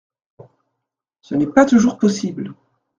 Ce n’est pas toujours possible.